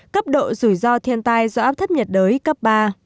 cấp độ rủi ro thiên tai do áp thấp nhiệt đới cấp ba